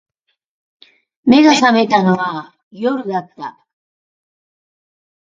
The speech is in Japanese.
眼が覚めたのは夜だった